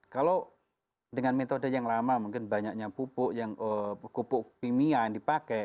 kalau dengan metode yang lama mungkin banyaknya pupuk yang pupuk kimia yang dipakai